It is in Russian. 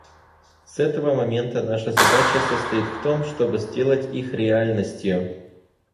С этого момента наша задача состоит в том, чтобы сделать их реальностью.